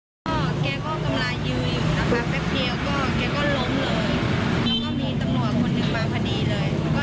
มีตำรวจคนมองรูปศาสตร์แกมาแล้วก็ไม่มีมือโทร